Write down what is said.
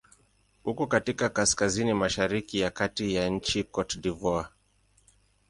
Uko katika kaskazini-mashariki ya kati ya nchi Cote d'Ivoire.